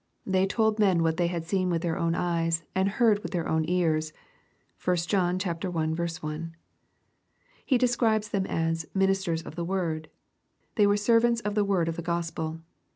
They told men what they had seen with their own eyes, and heard with their own ears. (1 John i. 1.) — He describes them as *' ministers of the word." They were servants of the word of the Gospel.